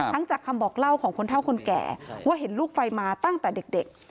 จากคำบอกเล่าของคนเท่าคนแก่ว่าเห็นลูกไฟมาตั้งแต่เด็ก